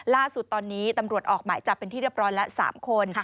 ล่าสุดตอนนี้ตำรวจออกหมายจับเป็นที่เรียบร้อยแล้ว๓คน